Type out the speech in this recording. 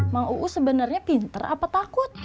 mau uu sebenarnya pinter apa takut